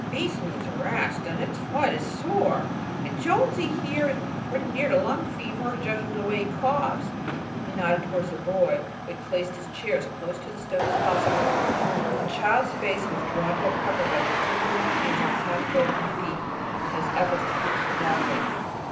The beast needs a rest. Its foot's sore; and Jonesy there is pretty near to lung fever, judging from the way he coughs." He nodded toward the boy, who had placed his chair as close to the stove as possible. The child's face was drawn into a pucker by the tingling pains in his half frozen feet, and his efforts to keep from coughing.